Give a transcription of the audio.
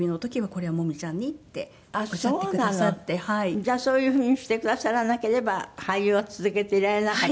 じゃあそういうふうにしてくださらなければ俳優を続けていられなかったかも。